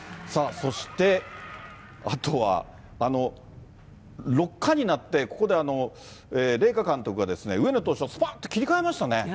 そして、あとは、６回になって、ここで麗華監督が上野投手はすぱっと切り替えましたね。